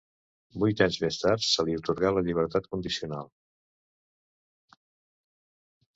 Vuit anys més tard, se li atorga la llibertat condicional.